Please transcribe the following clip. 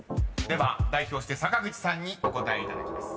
では代表して坂口さんにお答えいただきます］